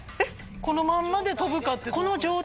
このまんまで飛ぶかって。